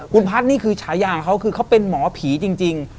คุณพัฒน์นี่คือฉายาของเขาคือเขาเป็นหมอผีจริง